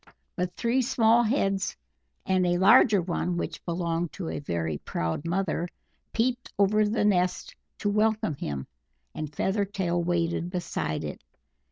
But three small heads, and a larger one, which belonged to a very proud mother, peeped over the nest to welcome him, and Feathertail waited beside it.